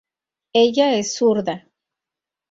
Ella es zurda.